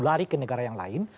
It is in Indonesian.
lari ke negara yang lain